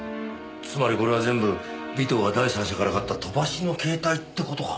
つまりこれは全部尾藤が第三者から買った飛ばしの携帯って事か。